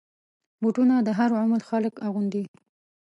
بوټونه د هر عمر خلک اغوندي.